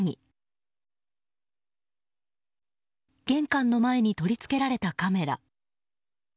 玄関の前に取り付けられたカメラ。